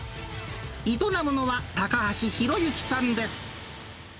営むのは高橋弘幸さんです。